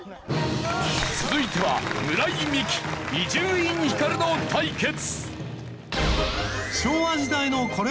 続いては村井美樹伊集院光の対決。